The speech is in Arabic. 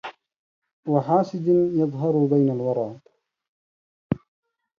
وحاسد يظهر بين الورى